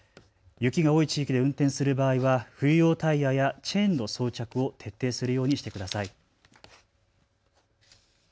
雪が多い地域で運転する場合は冬用タイヤやチェーンの装着を徹底するようにしてください。